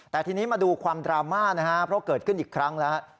แต่ทีนี้มาดูความดราม่านะครับเพราะเกิดขึ้นอีกครั้งแล้ว